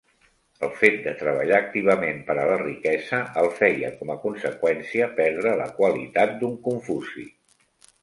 El fet de treballar activament per a la riquesa el feia com a conseqüència perdre la qualitat d'un Confuci.